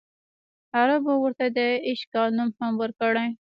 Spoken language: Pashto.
عربو ورته د ایش کال نوم هم ورکړی.